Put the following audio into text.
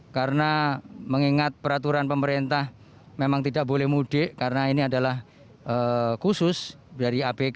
karena mengingat peraturan pemerintah memang tidak boleh mudik karena ini adalah khusus dari abk